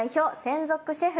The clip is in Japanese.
専属シェフ